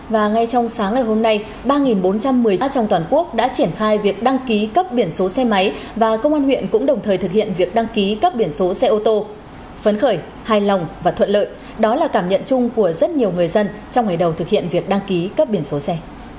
và ngay trong sáng ngày hôm nay ba bốn trăm một mươi rác trong toàn quốc đã triển khai việc đăng ký cấp biển số xe máy và công an huyện cũng đồng thời thực hiện việc đăng ký cấp biển số xe ô tô phấn khởi hài lòng và thuận lợi đó là cảm nhận chung của rất nhiều người dân trong ngày đầu thực hiện việc đăng ký cấp biển số xe